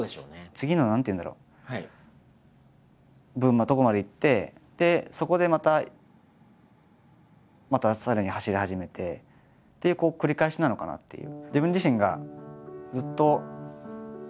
次の何ていうんだろうとこまでいってそこでまたまたさらに走り始めてっていう繰り返しなのかなっていう。